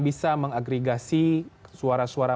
bisa mengagregasi suara suara